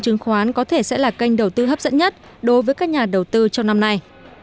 chứng khoán có thể sẽ là kênh đầu tư hấp dẫn nhất đối với các nhà đầu tư trong năm nay